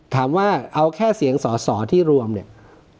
ถามว่าเอาแค่เสียงสอสอที่รวมเนี่ย